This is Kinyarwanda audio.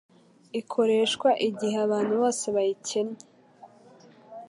ikoreshwa igihe abantu bose bayikenye